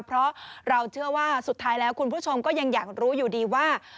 เพราะเราเชื่อว่าสุดท้ายแล้วคุณผู้ชมก็ยังอยากรู้อยู่ดีว่า